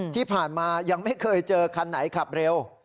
ที่ผ่านมายังไม่เคยเจอคันไหนขับเร็ว